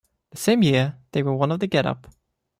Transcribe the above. The same year, they were one of the Getup.